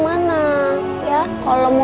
kalo suatu jam